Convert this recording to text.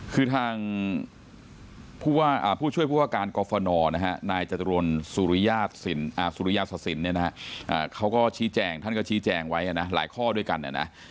คือทางผู้ช่วยผู้อาการกรฟนนายจัตรวนสุริยาศสินเขาก็ชี้แจงท่านก็ชี้แจงไว้หลายข้อด้วยกัน